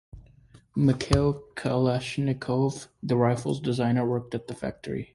Mikhail Kalashnikov, the rifle's designer, worked at the factory.